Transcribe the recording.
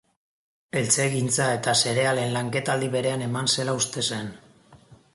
Eltzegintza eta zerealen lanketa aldi berean eman zela uste zen